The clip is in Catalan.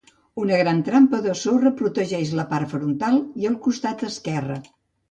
Una gran trampa de sorra protegeix la part frontal i el costat esquerre.